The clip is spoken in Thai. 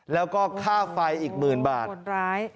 แล้วก็ค่าไฟอีกหมื่นบาทโหดร้าย